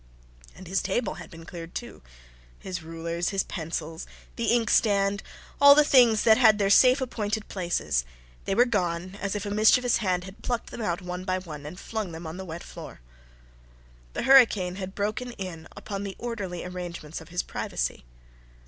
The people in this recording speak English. And his table had been cleared, too; his rulers, his pencils, the inkstand all the things that had their safe appointed places they were gone, as if a mischievous hand had plucked them out one by one and flung them on the wet floor. The hurricane had broken in upon the orderly arrangements of his privacy.